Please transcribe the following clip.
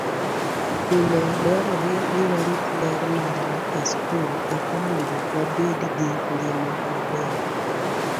Pile dwarore ni warit ler marwa e skul eka mondo wabed gi ngima maber.